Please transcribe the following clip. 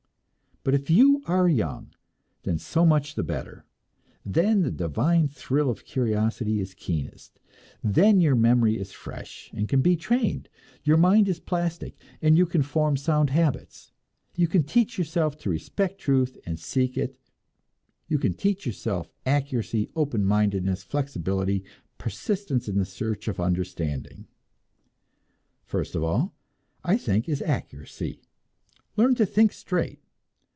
But if you are young, then so much the better! Then the divine thrill of curiosity is keenest; then your memory is fresh, and can be trained; your mind is plastic, and you can form sound habits. You can teach yourself to respect truth and to seek it, you can teach yourself accuracy, open mindedness, flexibility, persistence in the search for understanding. First of all, I think, is accuracy. Learn to think straight!